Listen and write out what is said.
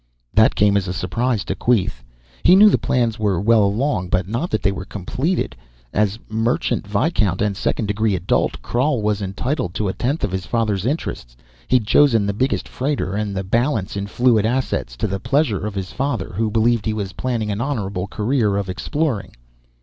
That came as a surprise to Queeth. He knew the plans were well along, but not that they were completed. As merchant viscount, and second degree adult, Krhal was entitled to a tenth of his father's interests. He'd chosen the biggest freighter and the balance in fluid assets, to the pleasure of his father who believed he was planning an honorable career of exploring.